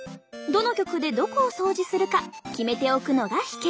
どの曲でどこを掃除するか決めておくのが秘けつ！